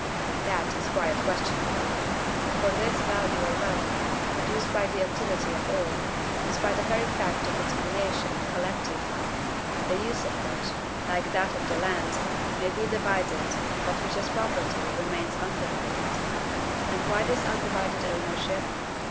That is quite questionable. For this value or wealth, PRODUCED BY THE ACTIVITY OF ALL, is by the very fact of its creation COLLECTIVE wealth, the use of which, like that of the land, may be divided, but which as property remains UNDIVIDED. And why this undivided ownership?